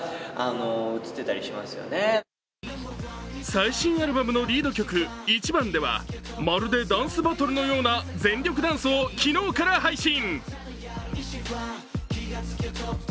最新アルバムのリード曲「Ｉｃｈｉｂａｎ」ではまるでダンスバトルのような全力ダンスを昨日から配信。